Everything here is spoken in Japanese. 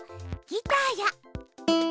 ギターや。